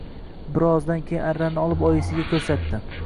Bir ozdan keyin arrani olib oyisiga ko‘rsatdi